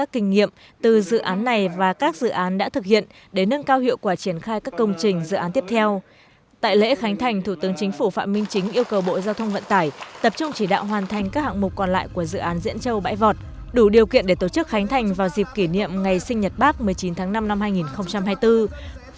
để phát huy tối đa hiệu quả thủ tướng phạm minh chính yêu cầu bộ giao thông vận tải chủ trì phối hợp với các bộ ngành địa phương tổ chức hướng dẫn vận hành khai thác bảo đảm an toàn hiệu quả